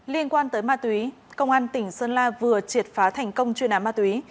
liên quan tới ma túy công an tỉnh sơn la vừa triệt phá thành công chuyên án ma túy